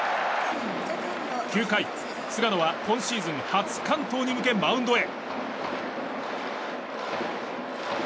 ９回、菅野は今シーズン初完投に向けマウンドへ。